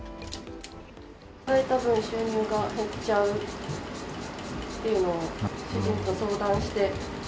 働いた分収入が減っちゃうっていうのを主人と相談して。